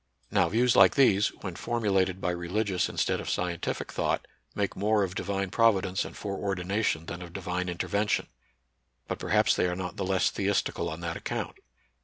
Now views like these, when formulated by religious instead of scientific thought, make more of Divine providence and fore ordination than of Divine intervention ; but perhaps they are not the less theistical on that account.